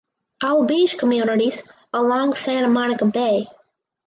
All beach communities along Santa Monica bay.